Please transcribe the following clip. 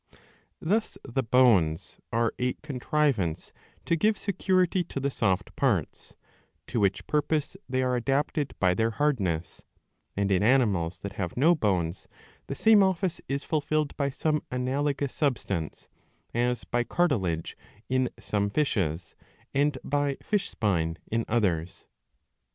Thus the bones are a contrivance to give security to the soft parts, to which purpose they are adapted by their hardness ; and in animals that have no bones the same office is fulfilled by some analogous substance, as by cartilage in some fishes, and by fish spine in others.